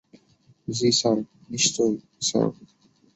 জ্বী, স্যার, নিশ্চয়ই, স্যার।